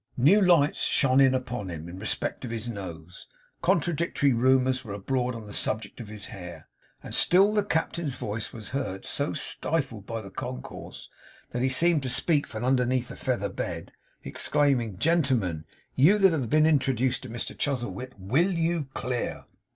New lights shone in upon him, in respect of his nose. Contradictory rumours were abroad on the subject of his hair. And still the Captain's voice was heard so stifled by the concourse, that he seemed to speak from underneath a feather bed exclaiming 'Gentlemen, you that have been introduced to Mr Chuzzlewit, WILL you clear?